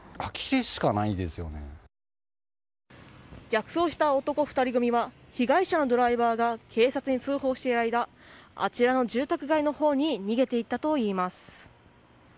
逆走した男２人組は被害者のドライバーが警察に通報している間あちらの住宅街のほうに逃げて行ったといいます。